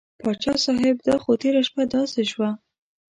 پاچا صاحب دا خو تېره شپه داسې شوه.